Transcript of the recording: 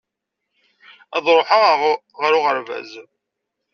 Ad ruḥeɣ ɣer uɣerbaz.